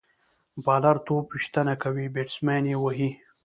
بالر توپ ویشتنه کوي، بیټسمېن يې وهي.